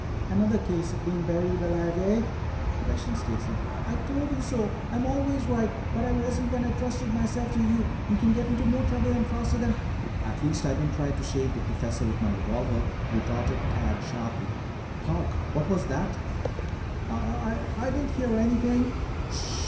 "Another case of being buried alive, eh?" questioned Stacy. "I told you so. I always am right. But I wasn't when I trusted myself to you. You can get into more trouble, and faster than " "At least I don't try to shave the professor with my revolver," retorted Tad sharply. "Hark! What was that?" "I I didn't hear anything."